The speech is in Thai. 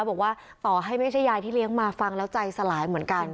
บอกว่าต่อให้ไม่ใช่ยายที่เลี้ยงมาฟังแล้วใจสลายเหมือนกัน